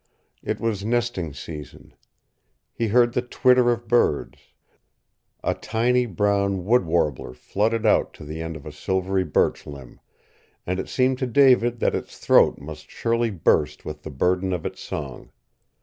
It was nesting season. He heard the twitter of birds. A tiny, brown wood warbler fluttered out to the end of a silvery birch limb, and it seemed to David that its throat must surely burst with the burden of its song.